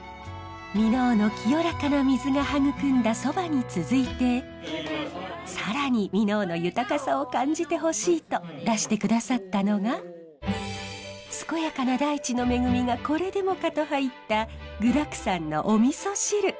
箕面の清らかな水が育んだそばに続いて更に箕面の豊かさを感じてほしいと出して下さったのが健やかな大地の恵みがこれでもかと入った具だくさんのお味噌汁。